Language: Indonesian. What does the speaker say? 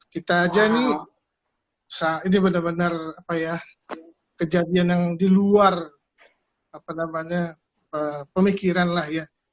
kita aja ini benar benar kejadian yang di luar pemikiran lah ya